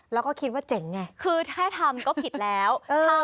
แล้วก็คิดว่าเจ๋งไงคือถ้าทำก็ผิดแล้ว